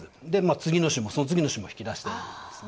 次の週も、その次の週も引き出してるんですね。